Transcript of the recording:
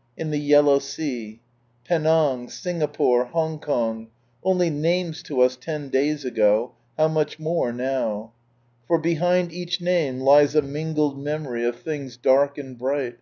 /// the Yelimv Sea. — Penang, Singapore, Hongkong, only names to us ten days ago, how much more now. For behind each name lies a mingled memory of things dark and bright.